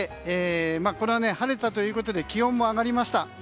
晴れたということで気温も上がりました。